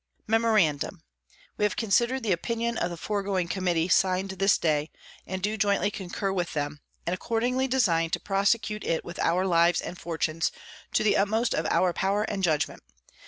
Memorandum, _We have considered the Opinion of the foregoing Committee sign'd this Day, and do jointly concur with them, and accordingly design to prosecute it with our Lives and Fortunes to the utmost of our Power and Judgment.